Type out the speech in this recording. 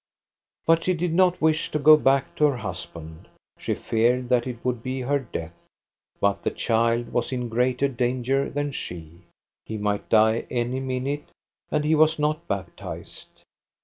But she did not wish to go back to her husband. She feared that it would be her death. But the child was in greater danger than she. He might die any minute, and he was not baptized.